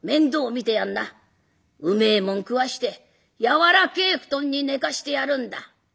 うめえもん食わして柔らけえ布団に寝かしてやるんだ。